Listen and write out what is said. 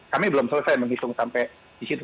kami belum selesai menghitung sampai di situ